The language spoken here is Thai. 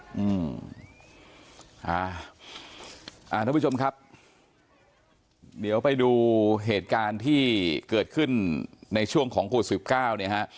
อืมอ่าอ่าทุกผู้ชมครับเดี๋ยวไปดูเหตุการณ์ที่เกิดขึ้นในช่วงของโควิด๑๙เนี้ยฮะ